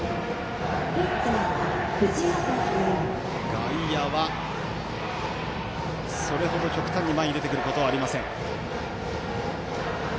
外野は、それほど極端に前に出てくることはありません。